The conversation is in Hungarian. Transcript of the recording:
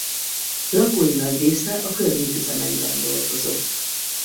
Lakói nagy része a környék üzemeiben dolgozott.